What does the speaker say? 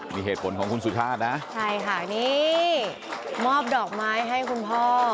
และนี้มอบดอกไม้ให้คุณพ่อ